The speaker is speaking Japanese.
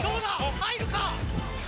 入るか？